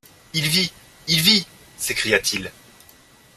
Il vit ! il vit ! s’écria-t-il.